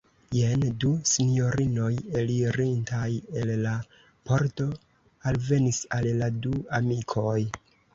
Jen du sinjorinoj elirintaj el la pordo alvenis al la du amikoj.